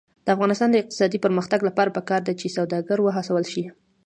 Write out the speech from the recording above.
د افغانستان د اقتصادي پرمختګ لپاره پکار ده چې سوداګر وهڅول شي.